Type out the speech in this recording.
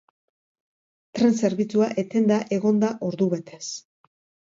Tren zerbitzua etenda egon da ordubetez.